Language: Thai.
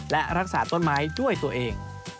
และรักษาต้นไม้ด้วยตัวเอง